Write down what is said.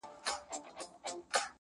هغه سر مي تور لحد ته برابر کړ-